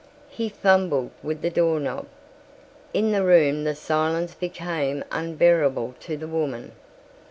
He fumbled with the doorknob. In the room the silence became unbearable to the woman.